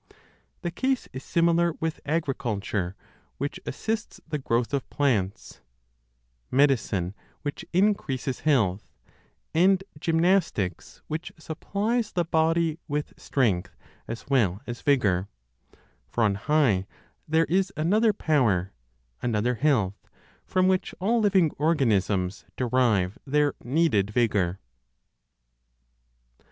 The case is similar with agriculture, which assists the growth of plants; medicine, which increases health, and (gymnastics) which supplies the body with strength as well as vigor, for on high there is another Power, another Health, from which all living organisms derive their needed vigor.